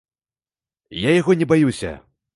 Я яго не баюся!